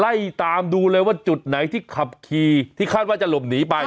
ไล่ตามดูเลยว่าจุดไหนที่ขับขี่ที่คาดว่าจะหลบหนีไป